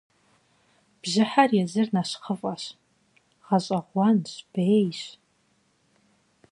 Бжьыхьэр езыр нэщхъыфӏэщ, гъэщӏэгъуэнщ, бейщ.